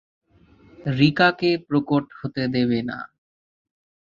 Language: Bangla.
রিকাকে প্রকট হতে দেবে না।